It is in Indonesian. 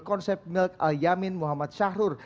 konsep milk al yamin muhammad syahrul